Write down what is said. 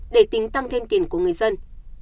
để tính tăng thêm tiền của người dân